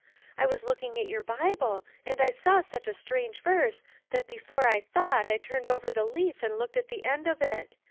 I was looking at your Bible, and I saw such a strange verse that before I thought I turned over the leaf and looked at the end of it.